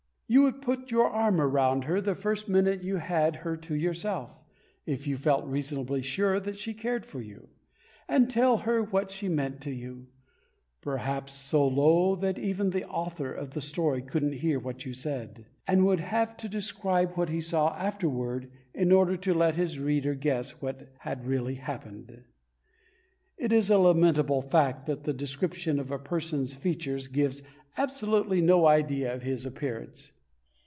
You would put your arm around her, the first minute you had her to yourself, if you felt reasonably sure that she cared for you, and tell her what she meant to you perhaps so low that even the author of the story couldn't hear what you said, and would have to describe what he saw afterward in order to let his reader guess what had really happened. It is a lamentable fact that the description of a person's features gives absolutely no idea of his appearance.